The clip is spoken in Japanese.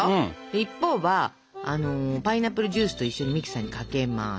一方はあのパイナップルジュースと一緒にミキサーにかけます。